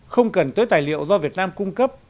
không cần tới tài liệu do việt nam cung cấp